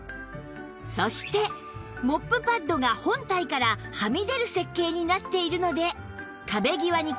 そしてモップパッドが本体からはみ出る設計になっているので